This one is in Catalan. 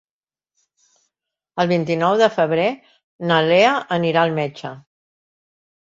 El vint-i-nou de febrer na Lea anirà al metge.